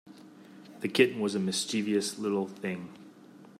The kitten was a mischievous little thing.